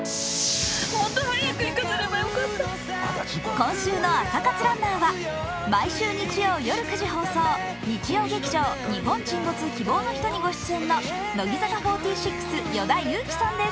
今週の朝活ランナーは毎週日曜夜９時放送日曜劇場「日本沈没−希望のひと−」にご出演の乃木坂４６・与田祐希さんです。